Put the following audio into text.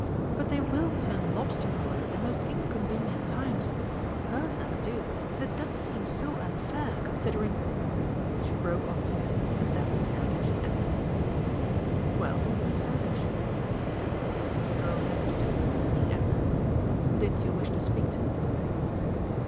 "But they will turn lobster colour at the most inconvenient times. Hers never do and it does seem so unfair, considering " She broke off here, as Daphne Heritage entered. "Well, Miss Heritage?" said Mrs. Stimpson, as the girl hesitated on seeing Edna. "Did you wish to speak to me?"